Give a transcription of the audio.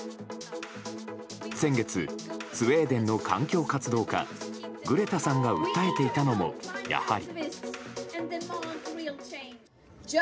先月、スウェーデンの環境活動家グレタさんが訴えていたのもやはり。